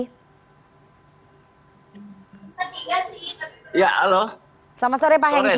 selamat sore pak hengki